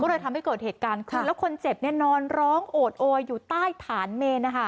ก็เลยทำให้เกิดเหตุการณ์ขึ้นแล้วคนเจ็บเนี่ยนอนร้องโอดโอยอยู่ใต้ฐานเมนนะคะ